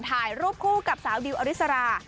ถ่ายรูปคู่กับสาวดิวอริสรา